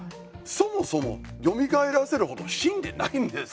そもそも、よみがえらせる程死んでないんですよ。